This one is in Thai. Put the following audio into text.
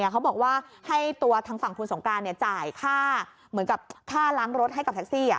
เขาบอกว่าให้ตัวทางฝั่งคุณสงการจ่ายค่าเหมือนกับค่าล้างรถให้กับแท็กซี่